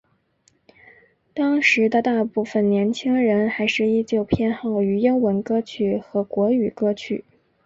当时的大部份年轻人还是依旧偏好于英文歌曲和国语歌曲。